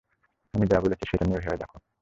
আমি যা বলেছি, সেটা নিয়ে ভেবে দেখো।